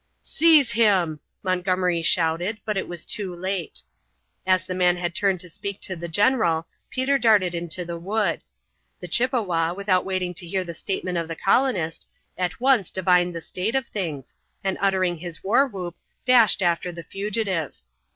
"Seize him!" Montgomery shouted, but it was too late. As the man had turned to speak to the general, Peter darted into the wood. The Chippewa, without waiting to hear the statement of the colonist, at once divined the state of things, and uttering his war whoop dashed after the fugitive.